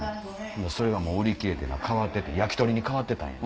それがもう売り切れてな焼き鳥に変わってたんや。